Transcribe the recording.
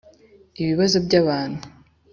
Ibibazo by abantu